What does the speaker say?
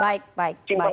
baik baik baik